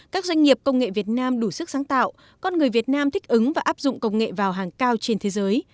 các doanh nghiệp công nghệ việt nam đủ sức sáng tạo con người việt nam thích ứng và áp dụng công nghệ vào hàng cao trên thế giới